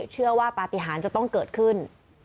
เชื่อว่าปาติหารจะต้องเกิดขึ้น